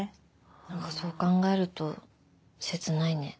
何かそう考えると切ないね。